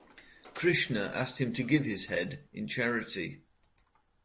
Krishna asked him to give his head in charity.